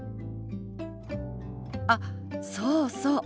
あっそうそう。